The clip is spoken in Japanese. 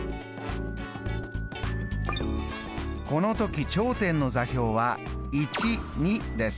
この時頂点の座標はです。